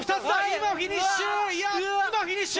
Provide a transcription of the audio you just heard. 今フィニッシュ。